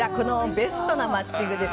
ベストなマッチングです。